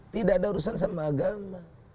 tidak ada urusan sama agama